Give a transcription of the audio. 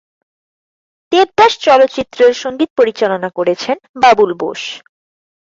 দেবদাস চলচ্চিত্রের সঙ্গীত পরিচালনা করেছেন বাবুল বোস।